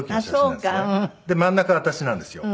で真ん中私なんですよ。